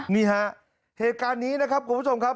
นี่ฮะเหตุการณ์นี้นะครับคุณผู้ชมครับ